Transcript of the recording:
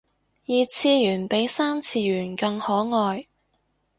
二次元比三次元更可愛